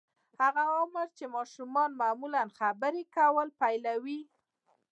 هغه عمر چې ماشومان معمولاً خبرې کول پيلوي.